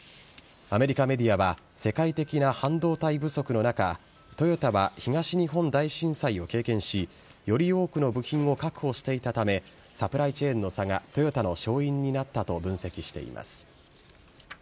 アメリカメディアは、世界的な半導体不足の中、トヨタは東日本大震災を経験し、より多くの部品を確保していたため、サプライチェーンの差がトヨタの勝因になったと分析しています。